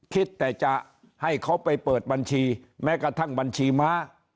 คิดแต่จะให้เขาไปเปิดบัญชีแม้กระทั่งบัญชีม้า